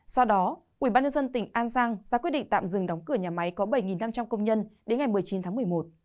sau đó ubnd tỉnh an giang ra quyết định tạm dừng đóng cửa nhà máy có bảy năm trăm linh công nhân đến ngày một mươi chín tháng một mươi một